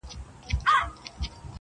سرداري يې زما په پچه ده ختلې!.